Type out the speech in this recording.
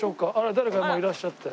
誰かもういらっしゃってる。